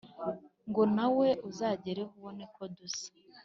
Ngo nawe uzagereho ubone ko dusa